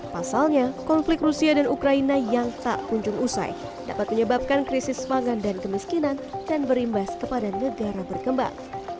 pasalnya konflik rusia dan ukraina yang tak kunjung usai dapat menyebabkan krisis pangan dan kemiskinan dan berimbas kepada negara berkembang